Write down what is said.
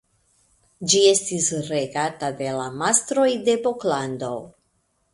Ĝi estis regata de la mastroj de Boklando.